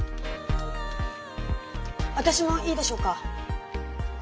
私もいいでしょうか。